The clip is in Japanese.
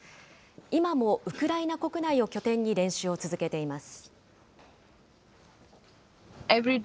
今もウクライナ国内を拠点に練習を続けています。